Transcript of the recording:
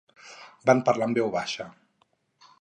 Van parlar en veu baixa.